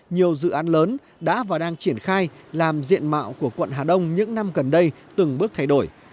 nhiều dự án lớn đã và đang triển khai làm diện mạo của quận hà đông những năm gần đây từng bước thay đổi